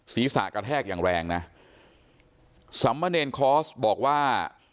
ศีรษะกระแทกอย่างแรงนะสำมะเนรคอร์สบอกว่า